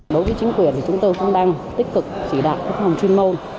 đối với chính quyền thì chúng tôi cũng đang tích cực chỉ đạo các phòng chuyên môn